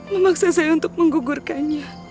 memaksa saya untuk menggugurkannya